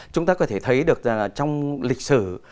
chúng ta có thể thấy được trong lịch sử